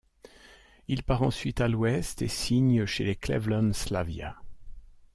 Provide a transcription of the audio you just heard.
Il part ensuite à l'ouest et signe chez les Cleveland Slavia.